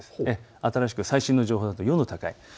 新しく最新の情報だと４度高いです。